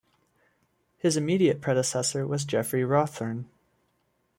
His immediate predecessor was Jeffery Rowthorn.